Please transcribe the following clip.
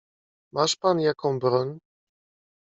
"Masz pan jaką broń?"